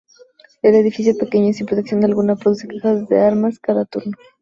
Edificio pequeño, sin protección alguna, produce cajas de armas cada turno.